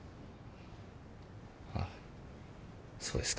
あぁそうですか。